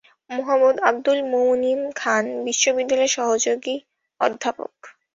মুহাম্মদ আবদুল মুনিম খান বিশ্ববিদ্যালয়ের সহযোগী অধ্যাপক।